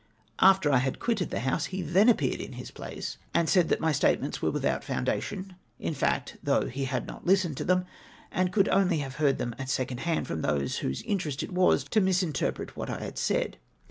After I had quitted tlie House, he then appeared in his place and HIS ATTACK ON ME 299 said that my statements were witliout any foundation in fact, though he had not hstened to them! and could only have heard them at second hand from those whose interest it was to misrepresent what I had said.